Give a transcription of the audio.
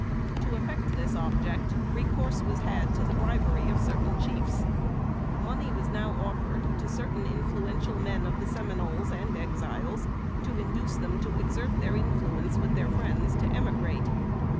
To effect this object, recourse was had to the bribery of certain chiefs. Money was now offered certain influential men of the Seminoles and Exiles to induce them to exert their influence with their friends to emigrate.